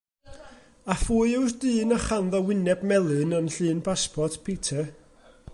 A phwy yw'r dyn a chanddo wyneb melyn yn llun pasbort Peter?